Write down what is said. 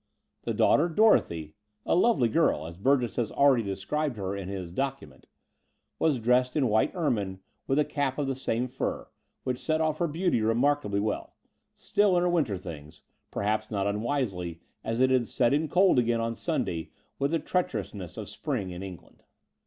The daughter, Dorothy — a, lovely girl, as Bur gess has already described her in his "Document" — ^was dressed in white ermine with a cap of the same fur, which set off her beauty remarkably well — still in her winter things, perhaps not un wisely, as it had set in cold again on Sunday with the treacherousness of spring in England.